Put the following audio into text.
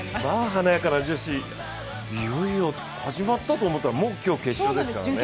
華やかな女子、いよいよ始まったと思ったらもう今日、決勝ですからね。